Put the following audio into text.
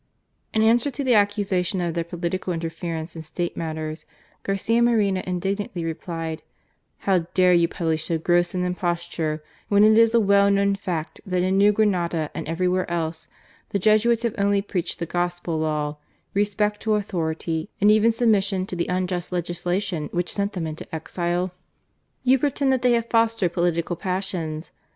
In answer to the accusation of their political interference in State matters, Garcia Moreno indignantly replied :" How dare you publish so gross an imposture when it is a well known fact that in New Grenada and everywhere else, the Jesuits have only preached the Gospel law, respect to authority and even submission to the unjust legisla tion which sent them into exile ? You pretend that they fostered political passions.